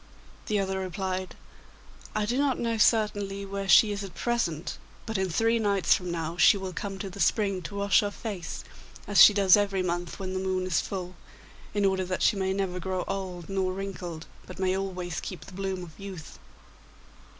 The other replied, 'I do not know, certainly, where she is at present, but in three nights from now she will come to the spring to wash her face, as she does every month when the moon is full, in order that she may never grow old nor wrinkled, but may always keep the bloom of youth.